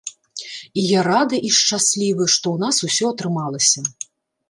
І я рады і шчаслівы, што ў нас усё атрымалася.